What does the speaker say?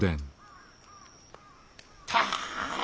たあ！